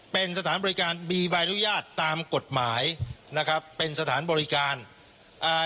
เป็นสถานบริการมีใบอนุญาตตามกฎหมายนะครับเป็นสถานบริการอ่า